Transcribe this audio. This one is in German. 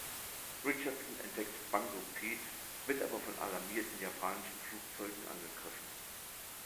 Richardson entdeckt "Bungo Pete", wird aber von alarmierten japanischen Flugzeugen angegriffen.